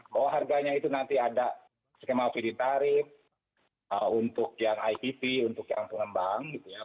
bahwa harganya itu nanti ada skema apd tarif untuk yang ipp untuk yang pengembang gitu ya